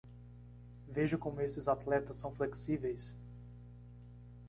Veja como esses atletas são flexíveis!